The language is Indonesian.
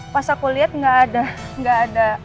jadi pas aku lihat gak ada gak ada